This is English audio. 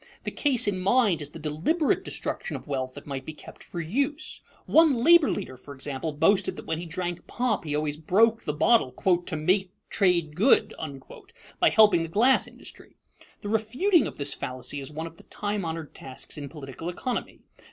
The case in mind is the deliberate destruction of wealth that might be kept for use. One labor leader, for example, boasted that when he drank pop he always broke the bottle "to make trade good" by helping the glass industry. The refuting of this fallacy is one of the time honored tasks in political economy.